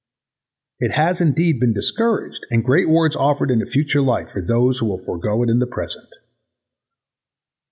It has indeed been discouraged and great rewards offered in a future life for those who will forego it in the present.